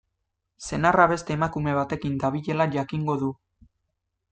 Senarra beste emakume batekin dabilela jakingo du.